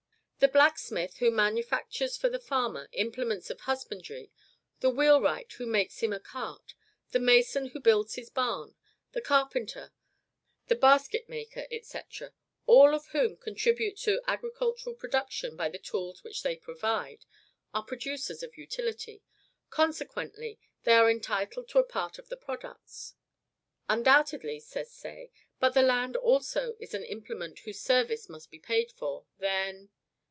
The blacksmith who manufactures for the farmer implements of husbandry, the wheelwright who makes him a cart, the mason who builds his barn, the carpenter, the basket maker, &c., all of whom contribute to agricultural production by the tools which they provide, are producers of utility; consequently, they are entitled to a part of the products. "Undoubtedly," says Say; "but the land also is an implement whose service must be paid for, then...."